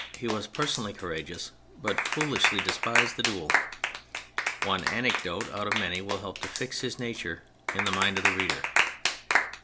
He was personally courageous but foolishly despised the duel. One anecdote out of many will help to fix his nature in the mind of the reader.